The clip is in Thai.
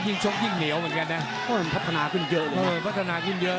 ชกยิ่งเหนียวเหมือนกันนะโอ้มันพัฒนาขึ้นเยอะด้วยพัฒนาขึ้นเยอะ